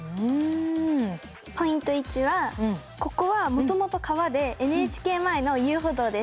ポイント１はここはもともと川でＮＨＫ前の遊歩道です。